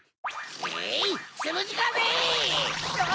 えいつむじかぜ！